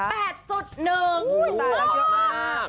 อุ้ยตายละเยอะมาก